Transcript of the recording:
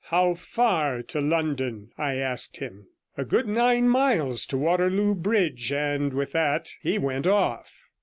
'How far to London?' I asked him. 'A good nine miles to Waterloo Bridge.' And with that he went off.